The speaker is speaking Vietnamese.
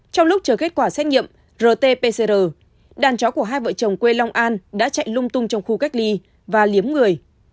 trong lúc chờ kết quả xét nghiệm rt pcr đàn chó của hai vợ chồng quê long an đã chạy lung tung trong khu cách ly và liếm người